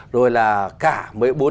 rồi là cả mấy bốn